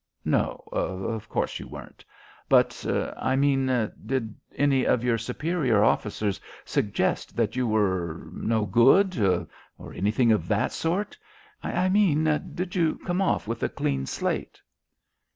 No; of course you weren't. But I mean did any of your superior officers suggest that you were 'no good,' or anything of that sort? I mean did you come off with a clean slate?"